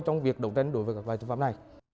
trong việc đối tượng trung học phổ thông